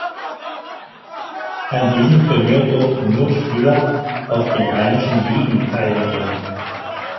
An diesem Turnier durften nur Spieler aus den heimischen Ligen teilnehmen.